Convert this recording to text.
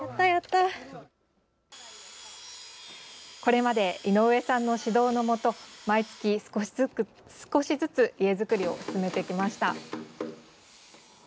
これまで井上さんの指導のもと毎月少しずつ家造りを進めてきました。